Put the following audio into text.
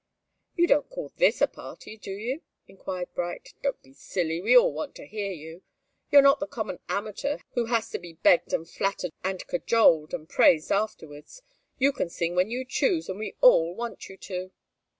"You don't call this a party, do you?" enquired Bright. "Don't be silly. We all want to hear you. You're not the common amateur who has to be begged and flattered and cajoled, and praised afterwards. You can sing when you choose, and we all want you to."